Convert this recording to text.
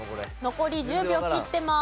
残り１０秒切ってます。